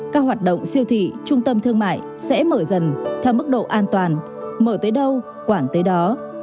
các hoạt động siêu thị trung tâm thương mại sẽ mở dần theo mức độ an toàn mở tới đâu quản tới đó